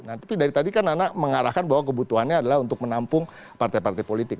nah tapi dari tadi kan nana mengarahkan bahwa kebutuhannya adalah untuk menampung partai partai politik